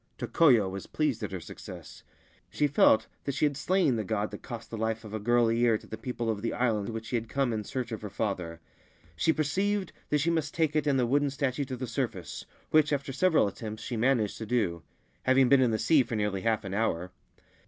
Tokoyo was pleased at her success. She felt that she had slain the god that cost the life of a girl a year to the people of the island to which she had come in search of 107 Ancient Tales and Folklore of Japan her father. She perceived that she must take it and the wooden statue to the surface, which, after several attempts, she managed to do, — having been in the sea for nearly half an hour.